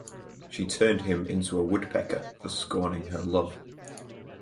She turned him into a woodpecker for scorning her love.